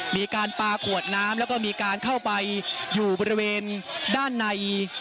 มีการปลาขวดน้ำแล้วก็มีการเข้าไปอยู่บริเวณด้านใน